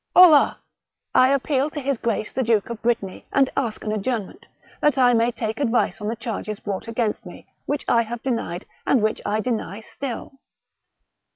'* Hola ! I appeal to his grace the Duke of Brittany, and ask an adjournment, that I may take advice on the charges brought against me, which I have denied, and which I deny still."